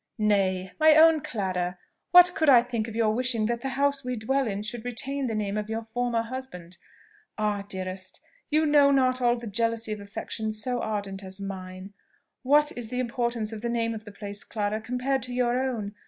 "Nay! my own Clara! what could I think of your wishing that the house we dwell in should retain the name of your former husband? Ah, dearest! you know not all the jealousy of affection so ardent as mine! What is the importance of the name of the place, Clara, compared to your own?